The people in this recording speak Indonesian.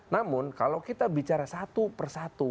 namun kalau kita bicara satu per satu